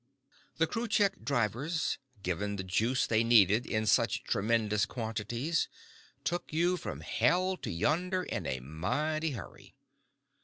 The Kruchek drivers, given the juice they needed in such tremendous quantities, took you from hell to yonder in a mighty hurry.